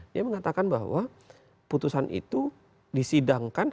dia mengatakan bahwa putusan itu disidangkan